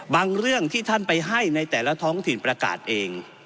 เรื่องที่ท่านไปให้ในแต่ละท้องถิ่นประกาศเอง